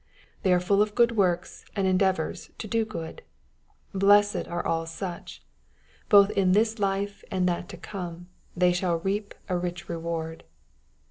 They are full of good works, and endeavors to do good. Blessed are all such 1 Both in this life and that to come, they shall reap a rich reward.